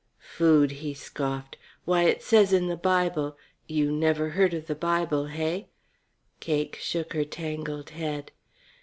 "Food," he scoffed. "Why, it says in the Bible you never heard of the Bible, hey?" Cake shook her tangled head.